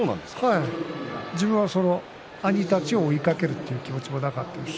自分は兄たちを追いかけるという気持ちもなかったです。